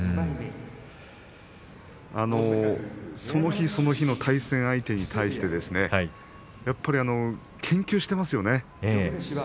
その日その日の対戦相手に対してやっぱり研究していますよね。